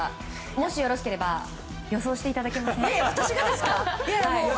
もしよろしければ予想していただけません？